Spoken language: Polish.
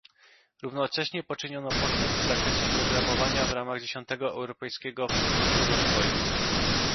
Równocześnie poczyniono postęp w zakresie programowania w ramach dziesiątego Europejskiego Funduszu Rozwoju